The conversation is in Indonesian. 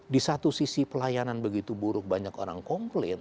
di satu sisi pelayanan begitu buruk banyak orang komplain